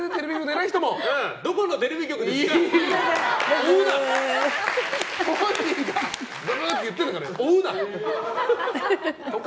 どこのテレビ局ですか！